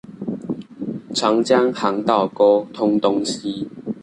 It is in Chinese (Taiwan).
長江航道溝通東西